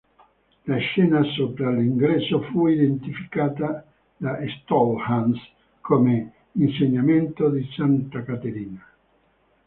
La scena sopra l'ingresso fu identificata da Stollhans come "Insegnamento di Santa Caterina".